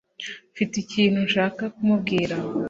mfite ikintu nshaka kumubwira